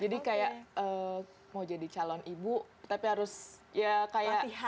jadi kayak mau jadi calon ibu tapi harus ya kayak